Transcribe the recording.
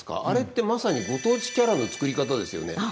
あれってまさにご当地キャラの作り方ですよね。